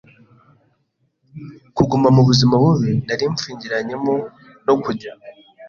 Kuguma mu buzima bubi nari mpfungiranyemo no kujya